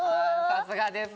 さすがです！